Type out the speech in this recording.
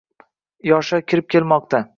yoshlar kirib kelmoqda;